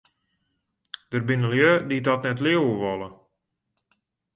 Der binne lju dy't dat net leauwe wolle.